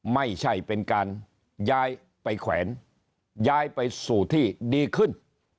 ไม่ใช่เป็นการย้ายไปแขวนย้ายไปสู่ที่ดีขึ้น